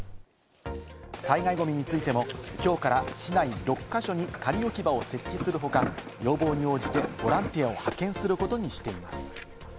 災害ゴミについても、きょうから市内６か所に仮置き場を設置する他、要望に応じてボランティアを派遣することにしています。